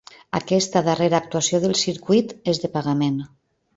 Aquesta darrera actuació del circuit és de pagament.